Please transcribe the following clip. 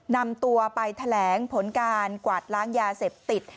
นำตัวไปแถลงผลการกวาดล้างยาเสพติด